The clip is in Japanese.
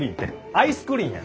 アイスクリンや！